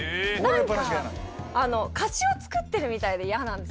何かあの貸しをつくってるみたいで嫌なんです。